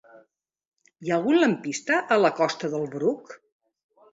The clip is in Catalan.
Hi ha algun lampista a la costa del Bruc?